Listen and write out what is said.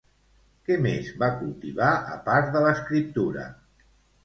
Què més va cultivar, a part de l'escriptura?